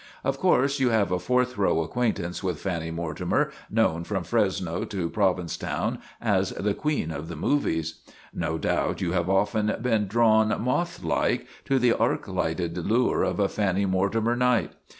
Of course you have a fourth row acquaintance with Fanny Mortimer, known from Fresno to Prov 276 TOM SAWYER OF THE MOVIES incetown as the Queen of the Movies. No doubt you have often been drawn moth like to the arc lighted lure of a Fanny Mortimer night.